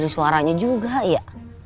ini kalau aa